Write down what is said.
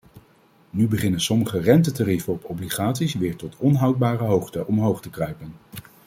Nu beginnen sommige rentetarieven op obligaties weer tot onhoudbare hoogte omhoog te kruipen.